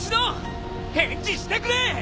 返事してくれ！